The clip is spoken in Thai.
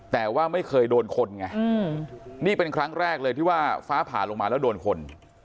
แต่ว่าไม่เคยโดนคนไงนี่เป็นครั้งแรกเลยที่ว่าฟ้าผ่าลงมาแล้วโดนคน